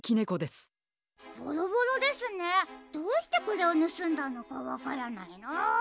ボロボロですねどうしてこれをぬすんだのかわからないな。